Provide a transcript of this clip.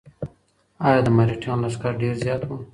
ایا د مرهټیانو لښکر ډېر زیات و؟